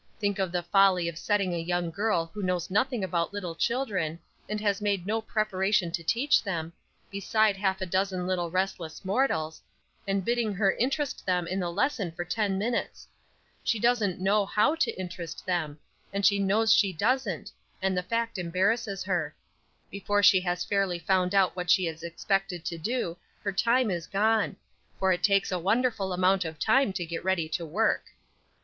Think of the folly of setting a young girl who knows nothing about little children, and has made no preparation to teach them, beside half a dozen little restless mortals, and bidding her interest them in the lesson for ten minutes. She doesn't know how to interest them, and she knows she doesn't, and the fact embarrasses her. Before she has fairly found out what she is expected to do her time is gone; for it takes a wonderful amount of time to get ready to work."